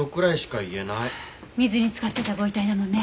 水に浸かってたご遺体だもんね。